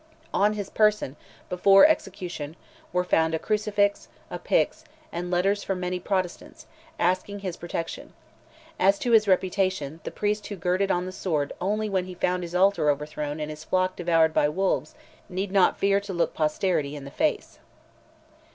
On his person, before execution, were found a crucifix, a pix, and letters from many Protestants, asking his protection; as to his reputation, the priest who girded on the sword only when he found his altar overthrown and his flock devoured by wolves, need not fear to look posterity in the face.